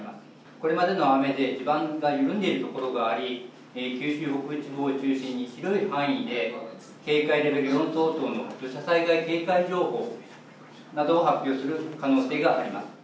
これまでの雨で地盤が緩んでいる所があり、九州北部地方を中心に広い範囲で、警戒レベル４相当の土砂災害警戒情報などを発表する可能性があります。